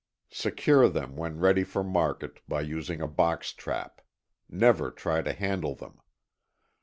Secure them when ready for market, by using a box trap. Never try to handle them.